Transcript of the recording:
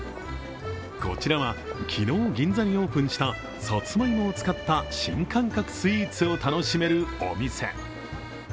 こちらは昨日、銀座にオープンしたさつまいもを使った新感覚スイーツを楽しめるお店。